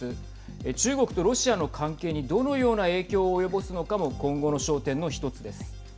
中国とロシアの関係にどのような影響を及ぼすのかも今後の焦点の１つです。